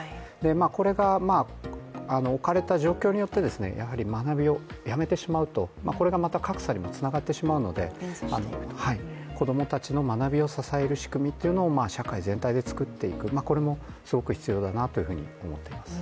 これが置かれた状況によってやはり学びをやめてしまうと、これがまた格差にもつながってしまうので子供たちの学びを支える仕組みというのを社会全体で作っていく、これもすごく必要だなと思っています。